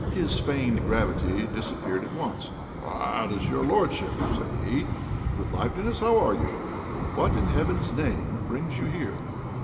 His feigned gravity disappeared at once. "Ah! it is your lordship," said he, with liveliness. "How are you? What in heaven's name brings you here?"